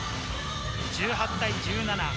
１８対１７。